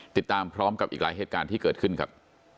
ติดตามพร้อมกับอีกหลายเหตุการณ์ที่เกิดขึ้นครับ